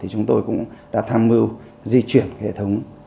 chúng tôi cũng đã tham mưu di chuyển hệ thống